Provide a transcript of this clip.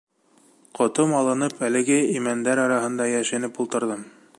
Ҡотом алынып, әлеге имәндәр араһына йәшенеп ултырҙым.